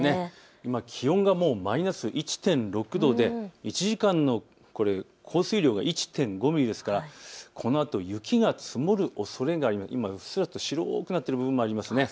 今、気温がもうマイナス１．６度で１時間の降水量が１．５ミリですからこのあと雪が積もるおそれが、今うっすらと白くなっている部分もありますね。